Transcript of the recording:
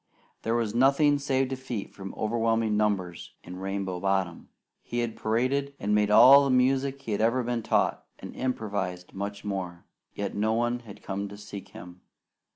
There was nothing save defeat from overwhelming numbers in Rainbow Bottom. He had paraded, and made all the music he ever had been taught, and improvised much more. Yet no one had come to seek him.